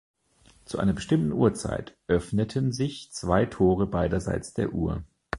Zu einer bestimmten Uhrzeit öffneten sich zwei Tore beiderseits der Uhr.